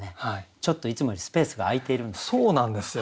ちょっといつもよりスペースが空いているんですけど。